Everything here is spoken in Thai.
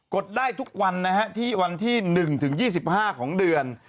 ดได้ทุกวันนะฮะที่วันที่๑ถึง๒๕ของเดือน